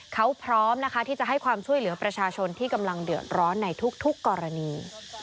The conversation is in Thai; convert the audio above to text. เขาพร้อมนะคะที่จะให้ความช่วยเหลือประชาชนที่กำลังเดือดร้อนในทุกกรณี